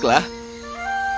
kepungan rambuttu tak bergantung